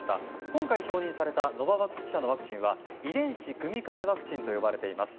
今回、承認されたノババックス社のワクチンは遺伝子組み換えワクチンと呼ばれています。